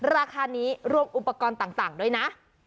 ราคานี้รวมอุปกรณ์ต่างด้วยนะ